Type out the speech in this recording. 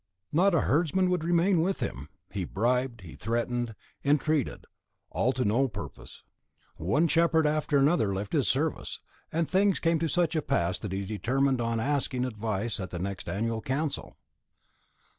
Not a herdsman would remain with him; he bribed, he threatened, entreated, all to no purpose; one shepherd after another left his service, and things came to such a pass that he determined on asking advice at the next annual council.